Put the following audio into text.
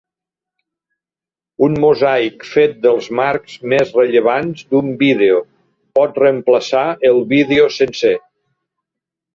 Un mosaic fet dels marcs més rellevants d'un vídeo, pot reemplaçar el vídeo sencer.